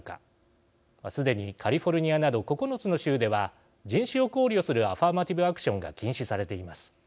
すでにカリフォルニアなど９つの州では人種を考慮するアファーマティブ・アクションが禁止されています。